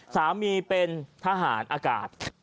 สามีเป็นทหารอากาศ